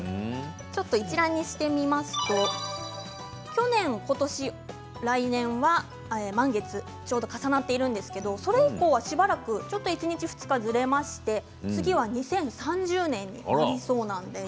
一覧にしてみますと去年、今年、来年は満月ちょうど重なっているんですけどそれ以降はしばらくちょっと１日２日ずれまして次は２０３０年に８年後。